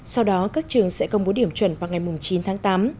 sau đó các trường sẽ công bố điểm chuẩn vào ngày chín tháng tám